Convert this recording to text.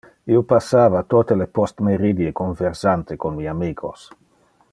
Io passava tote le postmeridie conversante con mi amicos.